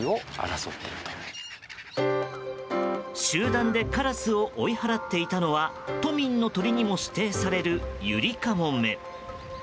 集団でカラスを追い払っていたのは都民の鳥にも指定されるユリカモメ。